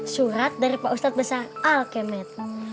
surat dari pak ustadz besar al kemed